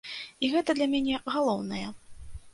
І гэта для мяне галоўнае.